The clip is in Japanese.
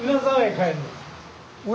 はい。